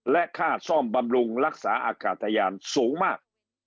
และค่าซ่อมบำรุงรักษาอากาศยานสูงมาก